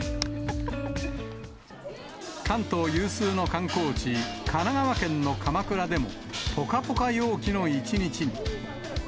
関東有数の観光地、神奈川県の鎌倉でも、ぽかぽか陽気の一日に。